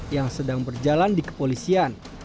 yang sedang berjalan di kepolisian